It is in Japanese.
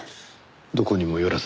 どこにも寄らず？